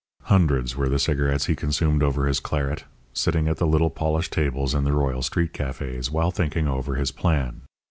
Hundreds were the cigarettes he consumed over his claret, sitting at the little polished tables in the Royal street cafés while thinking over his plan.